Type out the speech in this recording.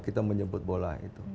kita menjemput bola